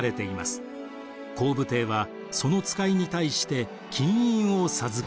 光武帝はその使いに対して金印を授けました。